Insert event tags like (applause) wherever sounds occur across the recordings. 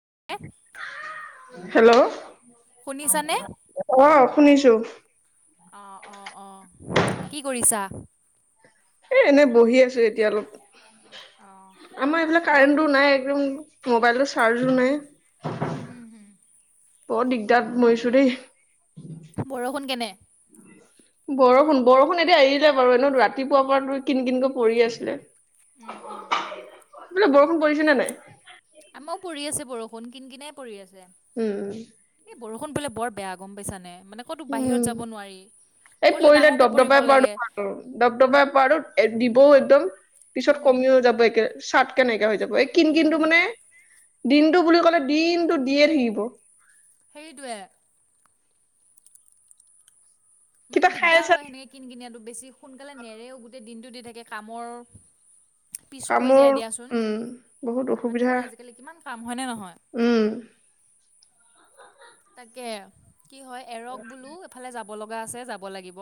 (unintelligible) Hello শুনিছানে? অ', শুনিছোঁ। অ', অ, অ, কি কৰিছা? এ এনে বহি আছোঁ এতিয়া অলপ। অ', আমাৰ এইফালে বৰ কাৰেণ্টো নাই একদম। মোবাইলৰ চাৰ্জো নাই। উম, হুম, হুম। বৰ দিগদাৰ মৰিছো দেই। বৰষুণ কেনে? বৰষুণ-বৰষুণ এতিয়া এৰিলে বাৰু এনে ৰাতিপুৱাৰ পৰা কিন কিনকে পৰি আছিলে। উম, উম, উম, (unintelligible) বৰষুণ পৰিছে নে নাই? বন কিন কিনাই পৰি আছ উম বৰষুণ পৰিলে বৰ বেয়া গম পাইছানে? মানে ক'তো বাহিৰত উম যাব নোৱাৰি। এই পৰিলে ডাঙৰকে দব পৰিব দবাই লাগে। পৰাটো ভাল দব দবাই পৰাটোত দিবও একদম পিছত উম, কমিও যাব একে চত'কে নাইকিয়া হৈ যাব এই কিন কিনটো উম। মানে দিনটো বুলি কলে দিনটো দিয়ে থাকিব সেইটোৱে মানে কিবা খাই দিগদাৰ আছা হয় সেনেকে কিন কিনিয়াটো বেছি সোনকালে নেৰেও গোটেই দিনটো দি থাকে কামৰ পিছ পৰি কামৰ যায় দিয়াচোন উম বহুত অসুবিধা মানুহৰ আজিকালি কিমান কাম হয়নে নহয় উম তাকে কি হয় এৰক বোলো এফালে যাব যাব লগা আছে যাব লাগিব।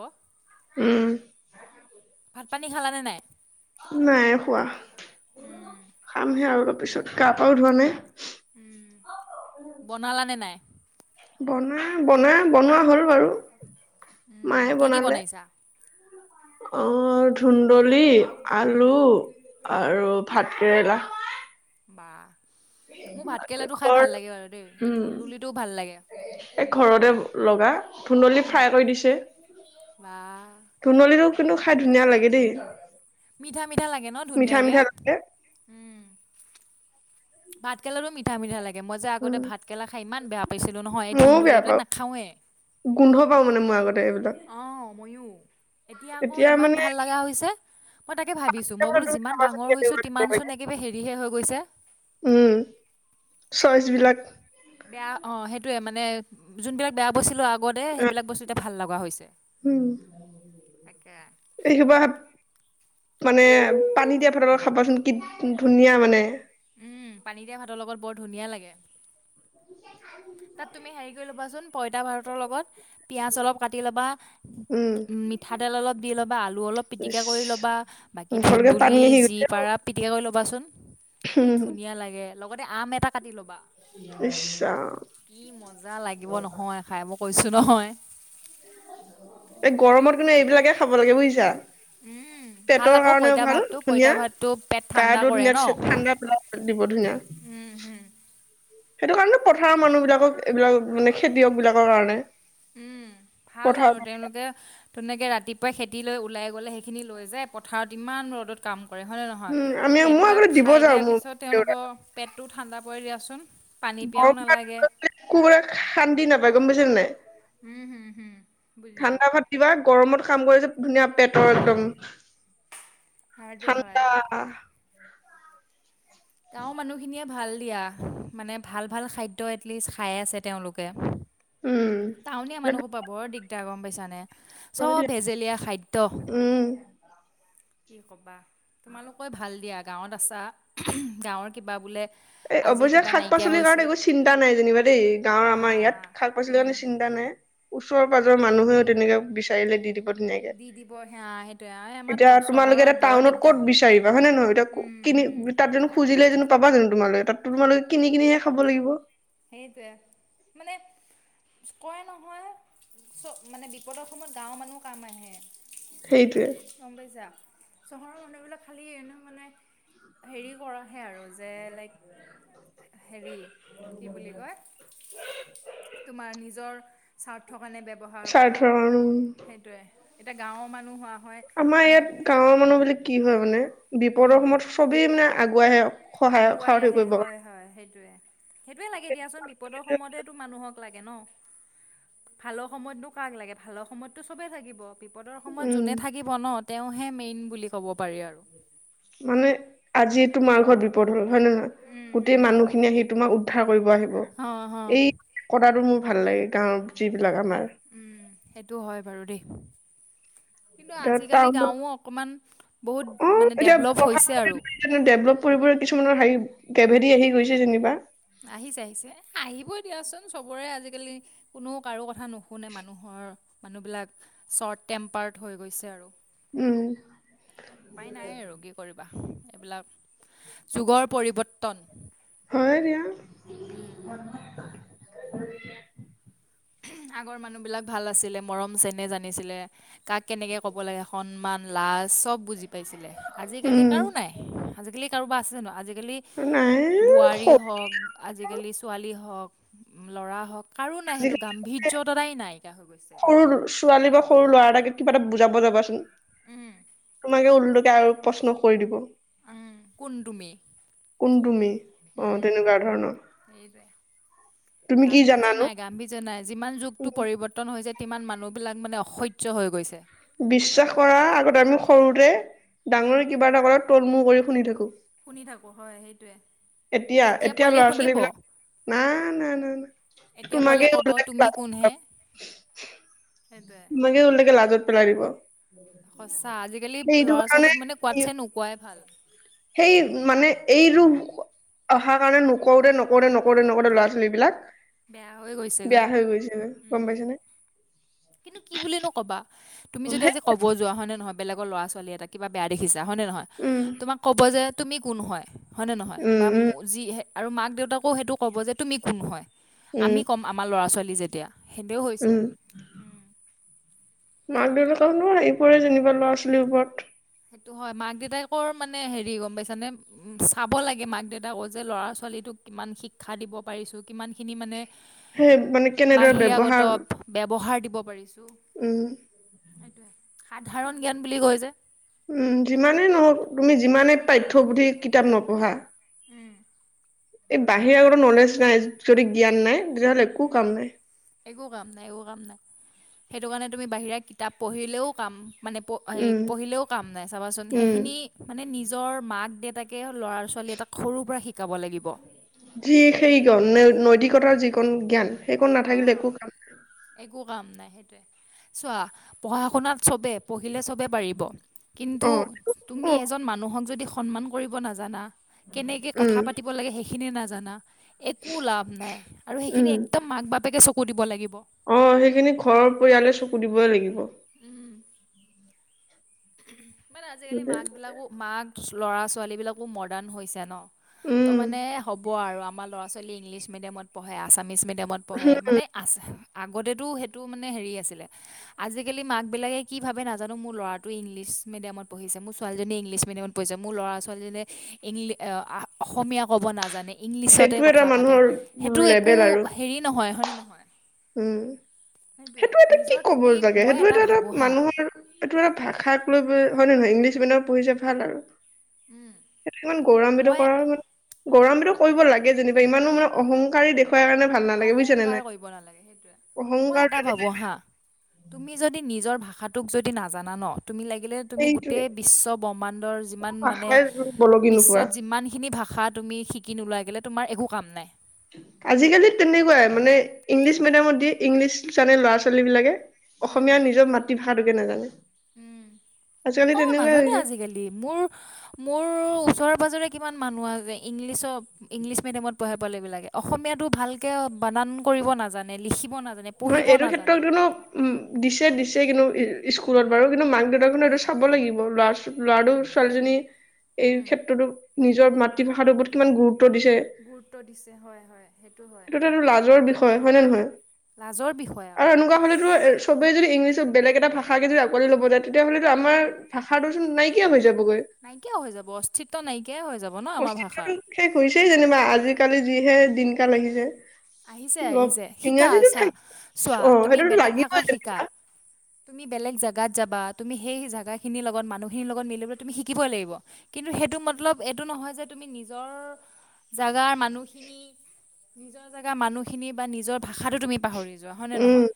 উম ভাত পানী খালা নে নাই নাই খোৱা খামহে আৰু অলপ পিছত গাঁ-পাও ধোৱা নাই উম বনালা নে নাই বনা বনা বনোৱা হ'ল বাৰু উম মায়ে কি কি বনালে বনাইছা অ ধুন্দলি আলু। আৰু ভাতকেৰেলা। (unintelligible) মোৰ (inaudible) ভাতকেৰেলাটো খাই ঘৰ ভাল লাগে বাৰু দেই এই উম ধুন্দুলিটোও ভাল লাগে এই ঘৰতে লগা ধুন্দলি ফ্ৰাই কৰি দিছে বা ধুন্দলিটো। (inaudible) খাই ধুনীয়া লাগে দেই। মিঠা -মিঠা লাগে ন', মিঠা ধুনীয়াকে? মিঠা লাগে উম ভাত কেৰেলাটো মিঠা- মিঠা লাগে মই যে আগতে উম ভাত কেৰেলা খাই ইমান বেয়া পাইছিলো নহয়, এই ময়ও ধুন্দুলি বেয়া এইবিলাক পাওঁ নাখাওৱে৷ গোন্ধ পাও মানে মই আগতে এইবিলাক অ', ময়ো এতিয়া আকৌ ইমান ভাল লগা হৈছে৷ মই তাকে ভাবিছো মই বোলো তুমি যিমান চাবাচোন ডাঙৰ হৈছো কেনেকুৱা তিমান চোন লাগে একেবাৰে হেৰিহে হৈ উম চইচ বিলাক গৈছে৷বেয়া, অ', সেইটোৱে মান নে যোনবিলাক বেয়া বছিলো আগ (unintelligible) সেইবিলাক বস্তু এতিয়া ভাল লগা হৈছে উম, তাকে। এইবাৰ মানে পানী দিয়া ভাতৰ লগত খাবাচোন কি ধুনীয়া মানে। উম পানীদিয়া ভাতৰ লগত বৰ ধুনীয়া লাগে৷ তাত তুমি হেৰি কৰি ল'বাচোন পইতা ভাতৰ লগত পিয়াঁজ অলপ কাটি উম ল'বা৷মিঠাতেল অলপ দি ল'বা, আলু অলপ ইচ পিটিকা কৰি ল'বা, বাকী মুখলৈকে পানী ধুন্দুলি আহি যি গৈছে অ পাৰা পিটিকা কৰি ল'বাচোন৷ কি ধুনীয়া লাগে লগতে আম এটা কাটি ল'বা৷ ইছ্ ৰাম কি মজা লাগিব নহয় খাই মোক কৈছোঁ নহয় এই গৰমত কিন্তু এইবিলাকে খাব লাগে বুজিছা৷ উম ভাল পেটৰ আকৌ কাৰণেও পঁইতা ভাল, ভাতটো পঁইতা ধুনীয়া ভাতটো পেট ঠাণ্ডা গাটো কৰে ধুনীয়া ন। (unintelligible) ঠাণ্ডা পেলাই দিব ধুনীয়া। সেইটো কাৰণে পথাৰৰ মানুহ বিলাকক এইবিলাক মানে খেতিয়ক বিলাকৰ কাৰণে উম ভাল আৰু পথাৰত তেওঁলোকে তেনেকে ৰাতিপুৱাই খেতি তি লৈ ওলাই গ'লে সেইখিনি লৈ যায় পথাৰত ইমান ৰ'দত কাম কৰে হয়নে নহয়? উম আমি মই সেইবিলাক আগতে দিব খাই যাওঁ দিয়াৰ মোৰ পিছত দেউতাক তেওঁলোকৰ পেটটো ঠাণ্ডা (unintelligible) হয় দিয়াচোন। পানী পিয়াও গৰম নালাগে ভাত (unintelligible) শান্তি নাপায় গম পাইছে নে নাই? বুজিছোঁ ঠাণ্ডা ভাত দিবা গৰমত কাম কৰি যে ধুনীয়া পেটৰ একদম (unintelligible) সাৰটো হয়। ঠাণ্ডা গাঁৱৰ মানুহখিনিয়ে ভাল দিয়া৷ মানে ভাল ভাল খাদ্য এটলিষ্ট খাই আছে তেওঁলোকে উম টাউনীয়া মানুহসোপাৰ বৰ দিগ্‌ (unintelligible) গম পাইছ নে? চব ভেজেলীয়া খাদ্য। উম কি ক'বা তোমালোকই ভাল দিয়া গাঁৱত আছা। গাঁৱৰ কিবা বোলে এ আজি অৱশ্যে কিবা নাইকিয়া শাক-পাচলিৰ কাৰণে হৈছে একো চিন্তা নাই যেনিবা দেই, গাঁৱৰ হা আমাৰ ইয়াত শাক-পাচলিৰ কাৰণে চিন্তা নাই। ওচৰ-পাজৰ মানুহেও তেনেকে বিচাৰিলে দি দিব গতি নাইকিয়া। দি দিব সেয়া সেইটোৱে আমাৰ এতিয়া তোমালোকে চহৰত এতিয়া বৰ টাউনত ক'ত দিগদাৰ বিচাৰিবা হয় নে নহয়? এতিয়া ক-কিনি তাত জানো খুজিলে জানো পাবা জানো? তোমালৈ এটা, তোমালোকে কিনি-কিনিহে খাব লাগিব। সেইটোৱে। মানে কয় নহয় চ-মানে বিপদৰ সময়ত গাঁৱ মানুহ কাম আহে। সেইটোৱে (unintelligible) চহৰৰ মানুহবিলাক খালী এনে মানে হেৰি কৰাহে আৰু যে লাইক হেৰি কি বুলি কয় তোমাৰ নিজৰ স্বাৰ্থ। মানে ব্যৱহাৰ কৰা, স্বাৰ্থৰ কাৰণে সেইটোৱে। এতিয়া গাঁওৰ মানুহ হোৱা হয় আমাৰ ইয়াত তোমাক গাঁৱৰ মানুহ বিলাক কি হয় মানে? বিপদৰ উম সময়ত চবেই মানে আগুৱাই হেঅক আগুৱাই আহে হয় হয় সেইটোৱে। সেইটোৱে লাগে দিয়াচোন বিপদৰ সময়তেটো মানুহক লাগে ন। ভালৰ সময়তনো কাক লাগে ভালৰ সময়তটো চবেই থাকিব। বিপদৰ সময়ত উম জোনে থাকিব ন। তেওঁহে মেইন বুলি ক'ব পাৰি আৰু। মানে আজি তোমাৰ ঘৰত বিপদ হ'ল। হয় নে নয়? গোটেই মানুহখিনিয়ে আহি তোমাক উদ্ধাৰ কৰিব আহিব। অ হ এই কদাটো মোৰ ভাল লাগে, গাঁৱৰ যিবি লাগ আমাৰ। সেটো হয় বাৰু দেই। কিন্তু এতিয়া আজিকালি টাউনত গাঁৱো অকণমান বহুত উ মানে এতিয়া ডেভলপ হৈছে আৰু (unintelligible) ডেভলপ কৰিবলৈ কিছুমানৰ হেই কেভেডি আহি গৈছে যেনিবা। আহিছে, আহিছে আহিবই দিয়াচোন চবৰে আজিকালি কোনো কাৰো কথ থা নুশুনে মানুহৰ। মানুহ বিলাক চৰ্ট টেম্পাৰ্ড হৈ গৈছে আৰু। উম উপায় নাই আৰু কি কৰিবা। এইবিলাক যুগৰ পৰিৱৰ্তন হয় দিয়া। (inaudible) (inaudible) আগৰ মানুহ বিলাক ভাল আছিলে, মৰম চেনেহ জানিছিলে। কাক কেনেকে ক'ব লাগে, সন্মান লা চব বুজি পাইছিলে, আজিকালি উম কাৰো নাই। আজিকালি কাৰোবাৰ আছে জানো আজি আজিকালি নাই বোৱাৰী সৰু হওক, আজিকালি ছোৱালী হওক ল'ৰা হওঁক কাৰো না (unintelligible) আজিকালি গাম্ভীৰ্য তটাই নাইকিয়া হৈ গৈছে। সৰু ছোৱালী বা সৰু ল'ৰা এটাকে কিবা এটা বুজাব যাবাচোন উম তোমাকে (unintelligible) আৰু প্ৰশ্ন কৰি দিব। উম, কোন তুমি? কোন তুমি? অ', তেনেকুৱা ধৰণৰ। তুমি কি গাম্ভীৰ্য জানানো নাই, গাম্ভীৰ্য নাই যিমান যুগটো পৰিৱৰ্তন হৈছে টিমান মানুহবিলাক মানে অসহ্য হৈ গৈছে। বিশ্বাস কৰা আগতে আমি সৰুতে, ডাঙৰে কিবা এটা কৰাত তল মুৰ কৰি শুনি থাকোঁ। শুনি থাকো হয়, সেইটোৱে। এতিয়া, এতিয়া ল'ৰা ছোৱালী বিলাক না, না, না, না এতিয়া পোৱালিয়ে তোমাকে ক'ব তুমি কোন হে (unintelligible) তোমাকে ওলটাকে লাজত পেলাই দিব। সঁচা আজিকালি সেইটো ল'ৰা কাৰণে ছোৱালীক মানে কি- কোৱাতছে নোকোৱাই ভাল। সেই মানে এইটো অহাৰ কাৰণে নকৰোতে, নকৰোতে, নকৰোতে, নকৰোতে ল'ৰা ছোৱালীবলাক বেয়া হৈ গৈছেগৈ বেয়া হৈ গৈছেগৈ, গম পাইছা নে? কিন্তু কি বুলিনো ক'বা? তুমি উম যদি আজি ক'ব যোৱা হয়নে ন বেলেগৰ ল'ৰা ছোৱালী এটা কিবা বেয়া দেখিছে হয় নে নহয়? তোমাক ক'ব যে তুমি কোন হয়? হয় নে নহয় উম বা উম যি আৰু মাক দেউতাকো সেইটো ক'ব যে তুমি কোন হয়। উম আমি কম আমাৰ ল'ৰা ছোৱালী যেতিয়া (unintelligible) হৈছে উম মাক দেউতাকা আহি পৰে যেনিবা ল'ৰা ছোৱালীৰ ওপৰত সেইটো হয় মাক দেউতাকৰ মানে হেৰি গম পাইছানে উ চাব লাগে মাক দেউতাকো যে ল'ৰা ছোৱালীটোক কিমান শিক্ষা দিব পাৰিছো কিমান খিনি মানে সেই মানে কেনেদৰে বাহিৰাগত ব্যৱহাৰ ব্যৱহাৰ দিব পাৰিছো উম সেইটোে সাধাৰণ জ্ঞান বুলি কৈ যে উম যিমানেই নহওক তুমি যিমানে পাঠ্যপুধি কিতাপ নপঢ়া উম এই বাহিৰৰে আগো নলেজ নাই যদি জ্ঞান নাই তেতিয়াহ'লে একো কাম নাই একো কাম নাই একো কাম নাই সেইটো কাৰণে তুমি বাহিৰা কিতাপ পঢ়িলেও কাম মানে প উম পঢ়িলেও কাম নাই চাবাচোন উম সেইখিনি মানে নি নিজৰ মাক দেউতাকে ল'ৰা ছোৱালী এটাক সৰুৰ পৰা শিকাব লাগিব। যি সেই গ ন নৈতিকতাৰ যিকণ জ্ঞান একো নাথাকিলে একো কাম নাই একো কাম নাই চোৱা পঢ়া শুনাত চবে দিলে চবে পাৰিব কিন্তু অ তুমি অ এজন মানুহক যদি সন্মান কৰিব নাজানা। কেনেকে উম কথা পাতিব লাগে সেই- খিননে নাজানা একো লাভ নাই আৰু সেইখিনি উম এক বাপেকে চকু দিব লাগিব অ সেইখিনি ঘৰৰ পৰিয়ালে চব কিনিবই লাগিব। উম (unintelligible) মানে আজিকালি মাক বিলাকো মাক ল'ৰা ছোৱালী বিলাকো মডাৰ্ণ হৈছে ন ত উম মানে হ'ব আৰু আমাৰ ল'ৰা ছোৱালী ইংলিছ মেডিয়ামত পঢ়ে আছামিচ মেডিয়াত পঢ়ে। ডেমত পঢ়ে মানে আছে আগতেতো সেইটো মানে হেৰি আছিলে আজিকালি মাক বিিলাকে কি ভাবে নাজানো মোৰ ল'ৰা ইংলিছ মিডিয়ামত পঢ়িছে মোৰ ছোৱালীজনীয়েী ইংলিছ মিডিয়ামত পঢ়িছে মোৰ ল'ৰা ছোৱালীজনীয়ে ইংলিছ অসমীয়া ক'ব নাজানে ইংলিছতে সেইটো এটা কথা পাতে মানুহৰ সেইটো একো লেবেল আৰু হেৰি নহয় হয়নে নহয় উম। সেইটো এটা কি নিজৰ ক'ব তুমি লাগে মই সেইটো এটো এটা ভাবোঁ হা মানুহৰ এইটো এটা ভাষাক লৈ হয় নে নহয় ইংলিছ মিডিয়ামত পঢ়িছে ভাল আৰু। সেইতো ইমান গৌৰাম্বিত মই কৰাৰ মানে গৌৰাম্বিত কৰিব লাগে যেনিবা ইমানো মানে অহংকাৰী দেখু খোৱাৰ কাৰণে ভাল নালাগে বুজিছানে অহংকাৰ নাই। (unintelligible) মই অহংকাৰ এটা ভাবো হা তুমি যদি নিজৰ ভা ষাটোক যদি নাজানা ন তুমি লাগিলে তুমি সেইটোৱে গোটেই বিশ্ব ব্ৰহ্মাণ্ডৰ যিমান মানে, ভাষাই বলকি নোপোৱা বিশ্বত যিমানখিনি ভাষা তুমি শিকি নোলোৱা কেলে তোমাৰ একো কাম নাই। আজিকালি তেনেকুৱাই মানে ইংলিছ মিডিয়ামত দি ইংলিছ জানে ল'ৰা ছোৱালী বিলাকে। অসমীয়াৰ নিজৰ মাতৃভাষ ষাটোকে নাজানে। উম আজিকালি অ' তেনেকুৱাই নাজানে হৈছে আজিকালি মোৰ মোৰ ওচৰে পাজৰে।। কিমান মানুহ আছে, ইংলিছ মিদিয়ামত পঢ়ে পোৱালীবিলাকে অসমীয়াটো ভালকে বানান কৰিব নাজানে, লিখিব নাজানে নহয় পঢ়িব এইটো নাজানে ক্ষেত্ৰত কিন্তু উম দিছে -দিছে কিন্তু স্কুলত বাৰু কিন্তু মাক দেউতাকো এইটো চাব লাগিব। লৰা ল'ৰাটো ছোৱালীজনী এই ক্ষেত্ৰতো নিজৰ মাতৃভাষাৰ ওপৰত কিমান গুৰুত্ব উ দিছে এইটো এইটো লাজৰ বিষয় হয় নে নহয়? লাজৰ বিষয় আৰু আকৌ এনেকুৱা হ'লেতো চবেই যদি ইংলিছত বেলেগ এটা ভাষাকে যদি আকোৱালি লব যায় তেতিয়াহলেটো আমাৰ ভাষাটো চোন নাইকিয়া হৈ যাব। নাইকিয়া হৈ যাব অস্তিত্ব নাইকিয়াই হৈ যাব ন আমাৰ ভাষাৰ (unintelligible) শেষ হৈছেই যেনিবা আজিকালি যিহে দিন কাল আহিছে আহিছে অলপ আহিছে শিকা ইংৰাজীতো চা থাক অ' চোৱা তুমি সেইটো বেলেগ ভাষা লাগিবই শিকা যেনেকা। তুমি বেলেগ জোগাত যাবা তুমি সেই জেগা খিনিৰ লগত মানুহখিনিৰ লগত মিললৈ তুমি শিকিবই লাগিব কিন্তু সেইটো মতলব এইটো নহয় যে তুমি নিজৰ জাগা মানুহখিনি নিজৰ জেগা মানুহখিনি বা নিজৰ ভাষাটো তুমি পাহৰি যোৱা হয় নে উম নহয়।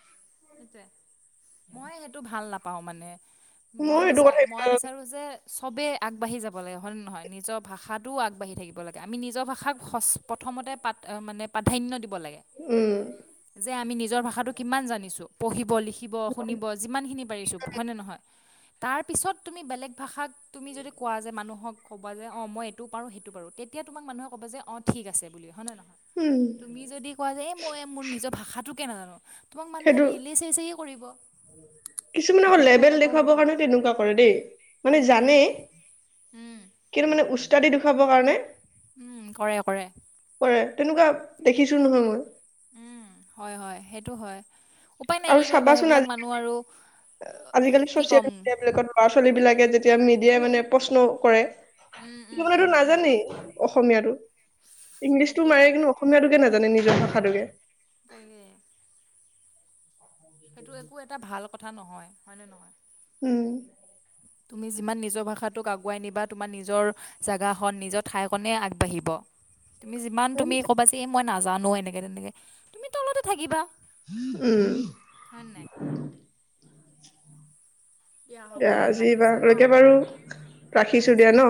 (unintelligible) মই সেইটো ভাল নাপাও মানে। মই এইটো বিচাৰ মই কথা বিচাৰো যে চবেই আগবাঢ়ি যাব লাগে হয়নে নহয় নিজৰ ভাষাটোও আগবাঢ়ি থাকিব লাগে আমি নিজৰ ভাষাক সচ প্ৰথমতে পাত অ মানে প্ৰাধান্য দিব। উম যে আমি নিজৰ ভাষাটো কিমান জানিছো পঢ়িব লিখিব শুনিব যিমান খিনি পাৰিছো হয় নে নহয়। তাৰ পিছত তুমি বেলেগ ভাষাক। তুমি যদি কোৱা যে মানুহক। ক'ব যে অ মই এইটোৰো সেইটো পাৰো তেতিয়া তোমাক মানুে ক'ব যে অ ঠিক আছে বুলি হয় নহ নয়। উম তুমি যদি কোৱা যোয় মই মোৰ নিজক। ভাষাটো কেনে নাজানো। তোমাক মানুহে সেইটো লেইলেই চেই চেই কৰিব কিছুমান আকৌ লেভেল দেখুৱাবৰ কাৰণে তেনেকুৱা কৰে দেই। মানে জানে কিন্তু মানে উস্তাদি দুখাবৰ কাৰণে উম কৰে কৰে। কৰে, তেনেকুৱা দেখিছো নহয় মই। উম হয় হয় সেইটো হয়। উপায় নাই কি আৰু কৰিবা চাবাচোন সেইবিলাক মানুহ আৰু আজিকালি আজিকালি কি ছ'চিয়েল ক'ম মিডিয়াবিলাকত ল'ৰা-ছোৱালীবিলাক গে যেতিয়া মিডিয়াই মানে প্ৰশ্ন কৰে। উম কি উম মানে এইটো উম উম নাজানেই অসমীয়াটো। ইংলিছটো মাৰে কিন্তু অসমীয়াাতোকে না জানে নিজৰ ভাষাটোকে। তাগে সেইটো একো এটা ভাল কত থা নহয়, হয় না নহয়? উম। তুমি যিমান নিজৰ ভাষাটোক আগুৱাই নিবা তোমাৰ নিজৰ জাগাখন নিজৰ ঠাইকনে আগবাঢ়িব। তুমি যিমান তুমি ক'বা এই মই নাজ জানো এনেকে তেনেকে তুমি তলতে থাকিবা উম হয়নে নাই দিয়া আজি বাৰলৈকে বাৰু, ৰাখিছো দিয়া ন